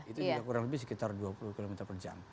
itu juga kurang lebih sekitar dua puluh km per jam